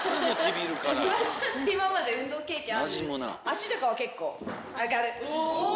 脚とかは結構上がる。